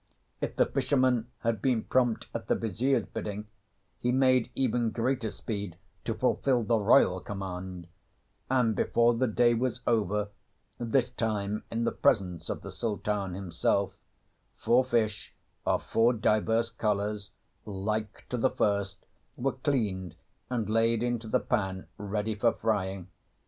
If the fisherman had been prompt at the Vizier's bidding, he made even greater speed to fulfil the royal command, and before the day was over this time in the presence of the Sultan himself four fish, of four diverse colours like to the first, were cleaned and laid into the pan ready for frying.